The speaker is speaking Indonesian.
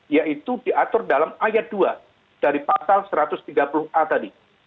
yaitu diatur dalam ayat dua dari pasal satu ratus tiga puluh a tadi